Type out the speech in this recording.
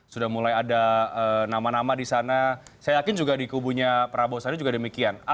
sudah mulai ada nama nama di sana saya yakin juga di kubunya prabowo sandi juga demikian